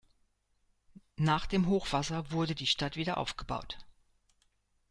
Nach dem Hochwasser wurde die Stadt wieder aufgebaut.